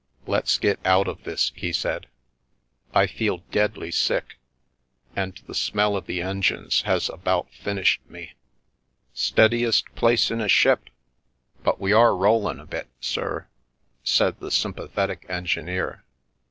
" Let's get out of this," he said. " I feel deadly sick, and the smell of the engines has about finished me." The Milky Way "Steadiest place in a ship, but we are rollin' a bit, sir/' said the sympathetic engineer.